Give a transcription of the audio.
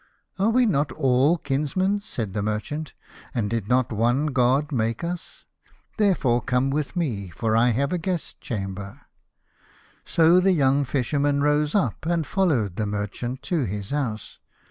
" Are we not all kinsmen ?" said the mer chant. " And did not one God make us ? I J 2 The Fisherman and his Soul. Therefore come with me, for I have a guest chamber." So the young Fisherman rose up and fol lowed the merchant to his house.